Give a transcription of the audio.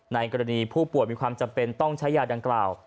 ในกรณีผู้ป่วยมีความจำเป็นต้องใช้ยาดังกล่าว